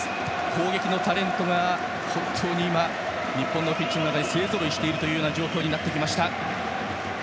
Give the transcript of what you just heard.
攻撃のタレントが本当に日本のピッチの中で勢ぞろいしている状況になりました。